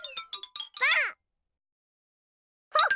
ばあっ！